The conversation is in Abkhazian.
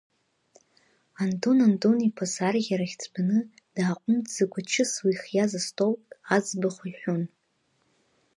Антон Антон-иԥа сарӷьарахь дтәаны дааҟәымҵӡакәа чысла ихиаз столк аӡбахә иҳәон.